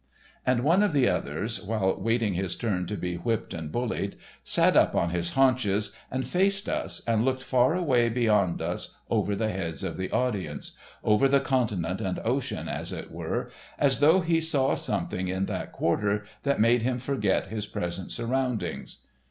And one of the others, while waiting his turn to be whipped and bullied, sat up on his haunches and faced us and looked far away beyond us over the heads of the audience—over the continent and ocean, as it were—as though he saw something in that quarter that made him forget his present surroundings.